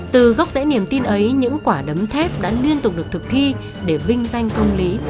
từ gốc rễ niềm tin ấy những quả đấm thép đã liên tục được thực thi để vinh danh công lý